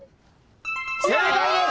正解です。